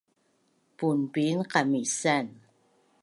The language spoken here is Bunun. Punpin qamisan